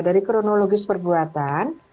dari kronologis perbuatan